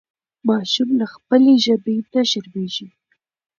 ماشوم له خپلې ژبې نه شرمېږي.